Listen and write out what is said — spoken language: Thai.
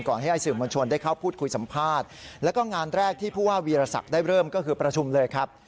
ให้สื่อมวลชนได้เข้าพูดคุยสัมภาษณ์แล้วก็งานแรกที่ผู้ว่าวีรศักดิ์ได้เริ่มก็คือประชุมเลยครับ